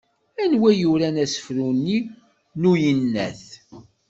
Anwa i yuran asefru-nni n uyennat?